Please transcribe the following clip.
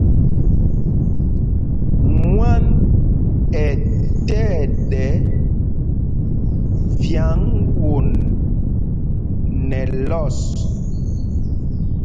Mwân ɛ tí ɛɗɛ vyǎŋ won nɛ lɔs.